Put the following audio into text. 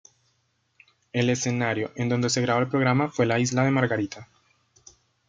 El escenario en donde se graba el programa fue en la Isla de Margarita.